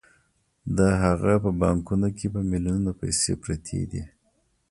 د هغه په بانکونو کې په میلیونونو پیسې پرتې دي